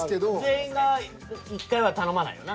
全員が１回は頼まないよな。